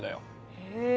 へえ。